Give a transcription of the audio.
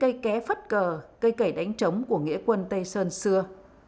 cây ké phất cờ cây cẩy đánh trống của nghĩa quân tây sơn xưa